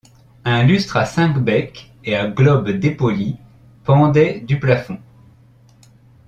Un lustre à cinq becs et à globes dépolis pendait du plafond.